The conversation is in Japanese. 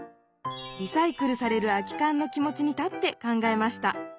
リサイクルされる空き缶の気持ちに立って考えました。